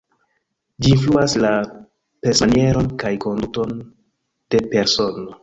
Ĝi influas la pensmanieron kaj konduton de persono.